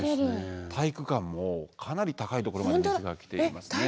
体育館もかなり高いところまで水が来ていますね。